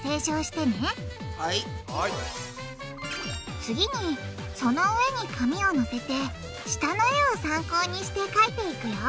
次にその上に紙をのせて下の絵を参考にしてかいていくよ